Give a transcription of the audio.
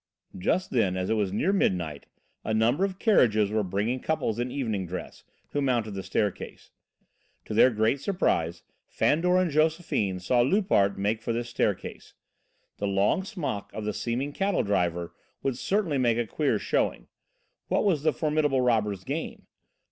Just then, as it was near midnight, a number of carriages were bringing couples in evening dress, who mounted the staircase. To their great surprise, Fandor and Josephine saw Loupart make for this staircase. The long smock of the seeming cattle driver would certainly make a queer showing. What was the formidable robber's game?